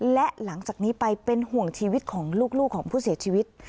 และหลังจากนี้ไปเป็นห่วงชีวิตของลูกของผู้เสียชีวิต